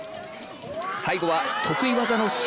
最後は得意技の尻